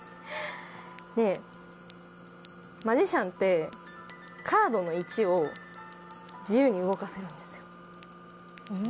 でマジシャンってカードの位置を自由に動かせるんですよ。